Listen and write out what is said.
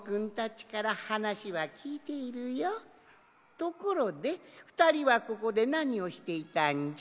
ところでふたりはここでなにをしていたんじゃ？